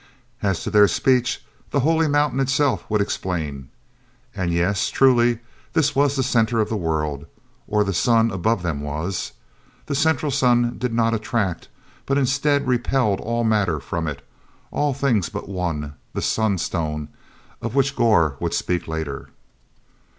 As to their speech—the Holy Mountain itself would explain. And yes, truly, this was the center of the world, or the sun above them was. The central sun did not attract, but instead repelled all matter from it—all things but one, the sun stone, of which Gor would speak later.